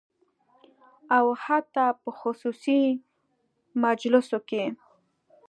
او حتی په خصوصي مجالسو کې